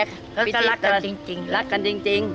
แล้วก็รักกันจริง